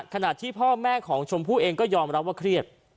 ขณะที่พ่อแม่ของชมพู่เองก็ยอมรับว่าเครียด